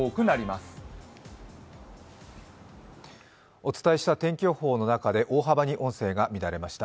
お伝えした天気予報の中で大幅に音声が乱れました。